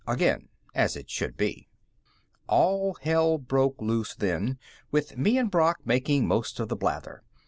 Again, as it should be. All hell broke loose then, with me and Brock making most of the blather.